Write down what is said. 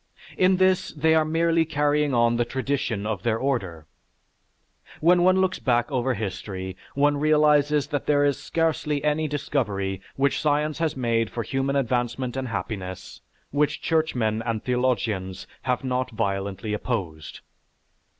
In this they are merely carrying on the tradition of their order. When one looks back over history, one realizes that there is scarcely any discovery which science has made for human advancement and happiness which churchmen and theologians have not violently opposed.